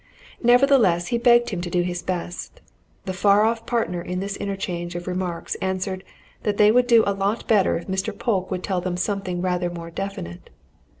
Nevertheless, he begged him to do his best the far off partner in this interchange of remarks answered that they would do a lot better if Mr. Polke would tell them something rather more definite.